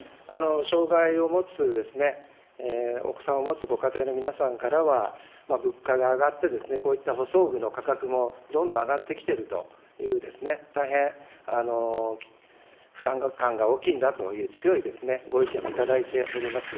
障害を持つお子さんを持つご家庭の皆さんからは、物価が上がって、こういった補装具の価格もどんどん上がってきているという、大変負担感が大きいんだという強いご意見も頂いております。